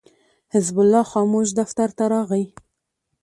حزب الله خاموش دفتر ته راغی.